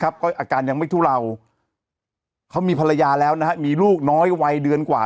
ยังไงยังไงยังไงยังไงยังไงยังไง